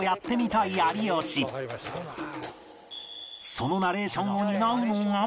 そのナレーションを担うのが